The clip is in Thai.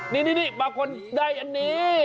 นี่บางคนได้อันนี้